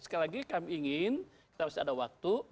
sekali lagi kami ingin kita masih ada waktu